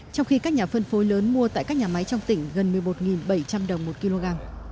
trong khi các nhà phân phối lớn mua tại các nhà máy trong tỉnh gần một mươi một bảy trăm linh đồng một kg